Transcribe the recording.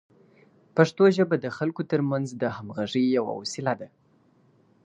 پښتو ژبه د خلکو ترمنځ د همغږۍ یوه وسیله ده.